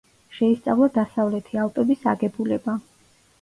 შეისწავლა დასავლეთი ალპების აგებულება.